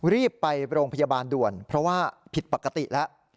รีบไปโรงพยาบาลด่วนเพราะว่าผิดปกติแล้ว